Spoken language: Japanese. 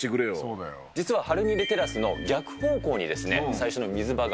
実はハルニレテラスの逆方向に最初の水場が。